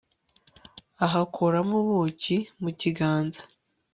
ahakuramo ubuki mu kiganza